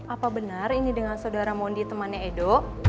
apa benar ini dengan saudara mondi temannya edo